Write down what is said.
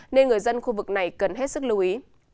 nên người dân khu vực này cần hết sức lưu ý